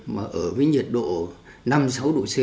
mà ở với nhiệt độ năm sáu độ c